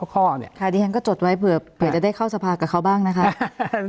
คาดีแฮงก็จดไว้เผื่อจะได้เข้าสภากับเขาบ้างนะคะ